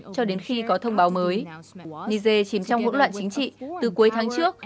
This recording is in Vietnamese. cho đến khi có thông báo mới niger chìm trong hỗn loạn chính trị từ cuối tháng trước